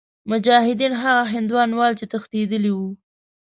مجاهدین هغه هندیان ول چې تښتېدلي وه.